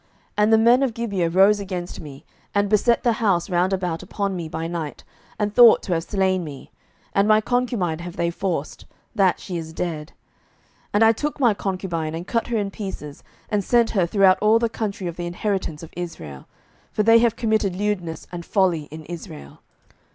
07:020:005 And the men of Gibeah rose against me, and beset the house round about upon me by night, and thought to have slain me: and my concubine have they forced, that she is dead. 07:020:006 And I took my concubine, and cut her in pieces, and sent her throughout all the country of the inheritance of Israel: for they have committed lewdness and folly in Israel.